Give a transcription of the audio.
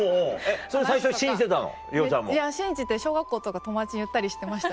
信じて小学校とか友達に言ったりしてました。